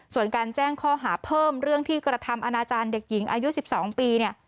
ส่วนการแจ้งข้อหาเพิ่มเรื่องที่กระทำอนาจารย์เด็กหญิงอายุ๑๒ปีเนี่ย